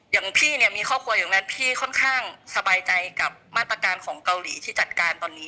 อย่างพี่เนี่ยมีครอบครัวอย่างนั้นพี่ค่อนข้างสบายใจกับมาตรการของเกาหลีที่จัดการตอนนี้